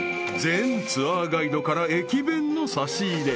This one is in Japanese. ［前ツアーガイドから駅弁の差し入れ］